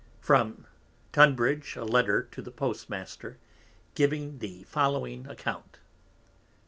_ From Tunbridge, _a Letter to the Post Master, giving the following Account.